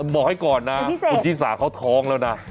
บอกให้ก่อนนะคุณชิสาเขาท้องแล้วนะ